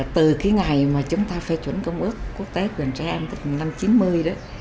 từ cái ngày mà chúng ta phê chuẩn công ước quốc tế về trẻ em một năm chín mươi đó